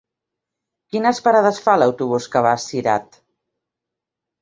Quines parades fa l'autobús que va a Cirat?